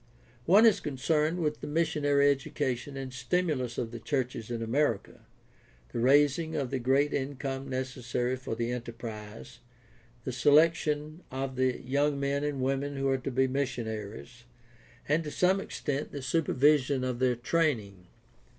One is concerned with the missionary education and stimulus of the churches in America, the raising of the great income necessary for the enterprise, the selection of the young men and women who are to be missionaries, and to some extent the supervision of their training.